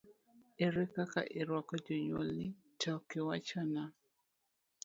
Ere kaka irwako jonyuolni, to okiwachona?